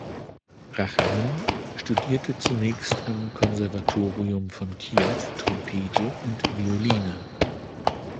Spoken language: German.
Rachlin studierte zunächst am Konservatorium von Kiew Trompete und Violine.